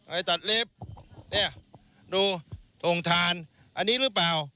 ไอ้ตัดเล็บเนี่ยดูทงทานอันนี้หรือเปล่า